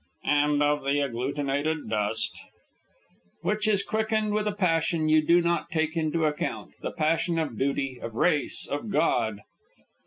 "And of the agglutinated dust " "Which is quickened with a passion you do not take into account, the passion of duty, of race, of God!"